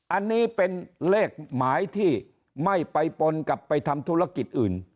อันนี้เป็นเลขหมายที่ไม่ไปปนกับไปทำธุรกิจอื่น